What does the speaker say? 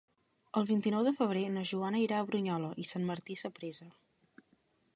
El vint-i-nou de febrer na Joana irà a Brunyola i Sant Martí Sapresa.